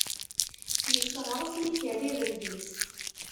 Yesseɣres yikerri rrebg-is.